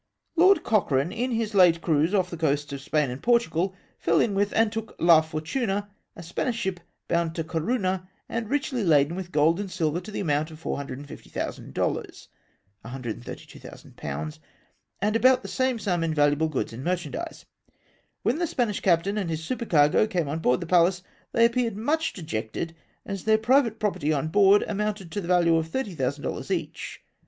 "Lord Cochrane, in his late cruise off the coasts of Spain and Portugal, fell in with, and took. La Fortuna, a Spanish ship bound to Corunna, and richly laden with gold and silver to the amount of 450,000 dollars (132,000/.), and about the same sum in valuable goods and merchandise. When the Spanish captain and his supercargo came on board the Pallas, they appeared much dejected, as their private property on board amounted to the value of 30,000 dollars each.